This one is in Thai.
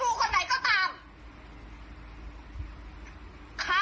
ก็อย่าใช้คำนี้กับครูไม่ว่าครูคนไหนก็ตาม